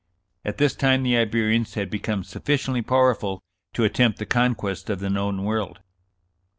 At this time the Iberians had become sufficiently powerful to attempt the conquest of the known world."